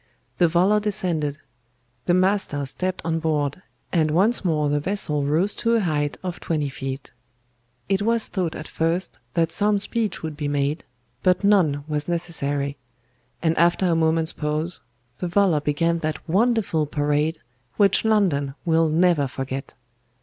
The volor descended; the master stepped on board, and once more the vessel rose to a height of twenty feet. It was thought at first that some speech would be made, but none was necessary; and after a moment's pause, the volor began that wonderful parade which London will never forget.